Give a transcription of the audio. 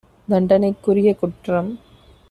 தண்டனைக்குரிய குற்றம்